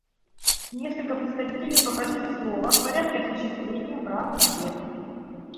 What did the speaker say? Несколько представителей попросили слова в порядке осуществления права на ответ.